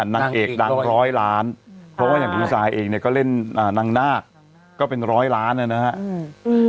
นางเอกดังร้อยล้านเพราะว่าอย่างดีซายเองเนี่ยก็เล่นนางนาคก็เป็นร้อยล้านนะครับ